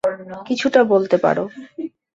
কিছুটা বলতে পারো।